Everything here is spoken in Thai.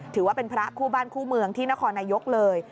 ถือว่าเป็นพระคู่บ้านคู่เมืองที่นครนายกเลย